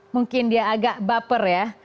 mungkin dia agak baper ya